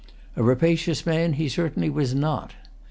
A rapacious man he certainly was not.